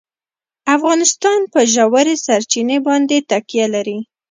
افغانستان په ژورې سرچینې باندې تکیه لري.